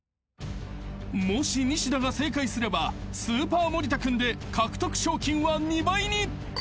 ［もしニシダが正解すればスーパー森田くんで獲得賞金は２倍に］